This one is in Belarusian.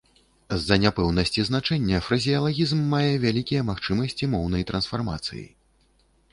З-за няпэўнасці значэння, фразеалагізм мае вялікія магчымасці моўнай трансфармацыі.